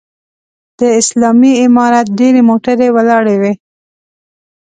د اسلامي امارت ډېرې موټرې ولاړې وې.